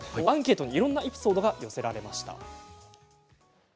アンケートにいろんなエピソードが寄せられました。